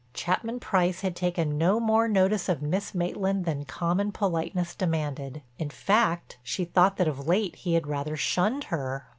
Chapman Price had taken no more notice of Miss Maitland than common politeness demanded, in fact, she thought that of late he had rather shunned her.